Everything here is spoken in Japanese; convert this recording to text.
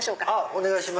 お願いします。